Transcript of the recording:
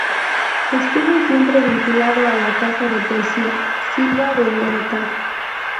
Estuvo siempre vinculado a la Casa de Poesía Silva de Bogotá.